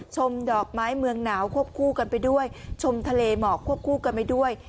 ชมดอกไม้เมืองหนาวควบคู่กันไปด้วยชมทะเลหมอกควบคู่กันไปด้วย